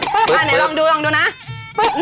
ฟึ๊ฯนี่ลองดูนะฟึนี่ก่อน